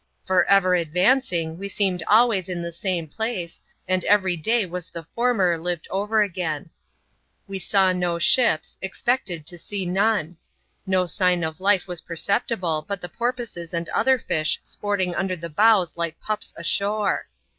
For ever advancing, we seemed always in the same place, and every day was the former lived over again. We Mw no ^ps, expected to see none. No sign of life was percepjdble but the porpoises and other filsh sporting under the bows like pops ashore.